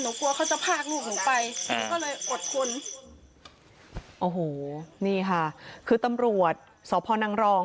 กลัวเขาจะพากลูกหนูไปก็เลยอดทนโอ้โหนี่ค่ะคือตำรวจสพนังรอง